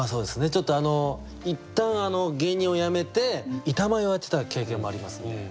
ちょっとあの一旦芸人を辞めて板前をやってた経験もありますんで。